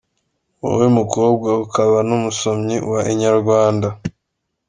Wowe mukobwa, ukaba n’umusomyi wa Inyarwanda.